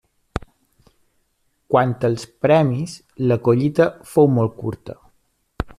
Quant als premis, la collita fou molt curta.